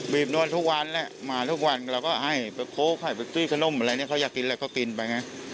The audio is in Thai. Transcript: บนวดทุกวันแหละมาทุกวันเราก็ให้ไปโค้กให้ไปซื้อขนมอะไรเนี่ยเขาอยากกินอะไรก็กินไปไง